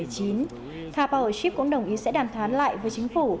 car powership cũng đồng ý sẽ đàn thoán lại với chính phủ